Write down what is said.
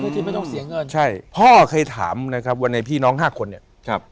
ที่ไม่ต้องเสียเงินใช่พ่อเคยถามนะครับว่าในพี่น้องห้าคนเนี่ยครับ